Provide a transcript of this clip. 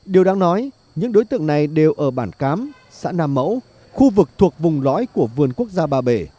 điều đáng nói những đối tượng này đều ở bản cám xã nam mẫu khu vực thuộc vùng lõi của vườn quốc gia ba bể